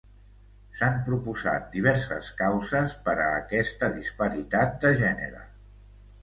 S'han proposat diverses causes per a aquesta disparitat de gènere.